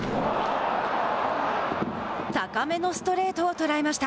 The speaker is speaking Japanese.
高めのストレートを捉えました。